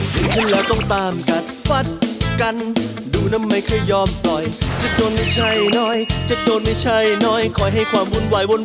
สวัสดีครับ